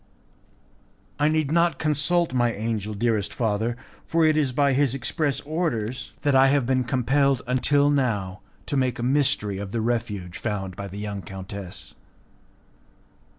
"I need not consult my angel, dearest father, for it is by his express orders that I have been compelled until now to make a mystery of the refuge found by the young countess."